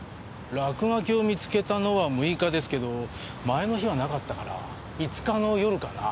落書きを見つけたのは６日ですけど前の日はなかったから５日の夜かな？